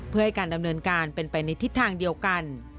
เพื่อให้การดำเนินการเป็นไปในทิศทางเดียวกัน